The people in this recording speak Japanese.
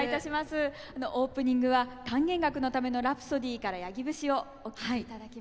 オープニングは「管弦楽のためのラプソディー」から「八木節」をお聴きいただきました。